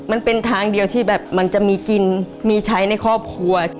มันเป็นทางเดียวที่แบบมันจะมีกินมีใช้ในครอบครัว